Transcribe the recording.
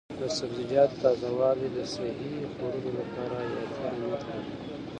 د سبزیجاتو تازه والي د صحي خوړو لپاره حیاتي اهمیت لري.